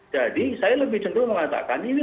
jadi saya lebih jenderal mengatakan ini negara final